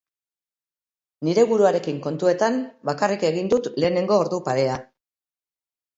Nire buruarekin kontuetan, bakarrik egin dut lehenengo ordu parea.